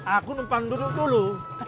aku nempan duduk dulu